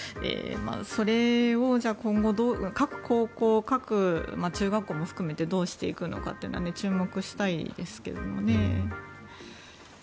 それを今後各高校、各中学校も含めてどうしていくのかというのは注目していきたいですけれども。